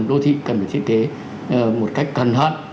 cần đô thị cần phải thiết kế một cách cẩn thận